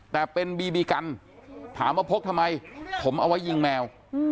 แต่เป็นบีบีกันถามว่าพกทำไมผมเอาไว้ยิงแมว